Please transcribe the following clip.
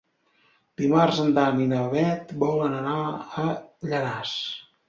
Dimarts en Dan i na Bet volen anar a Llanars.